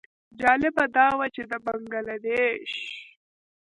جالبه دا وه چې د بنګله دېش.